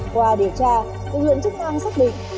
qua điều tra lượng chức năng xác định